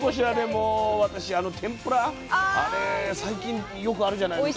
もう私あの天ぷらあれ最近よくあるじゃないですか。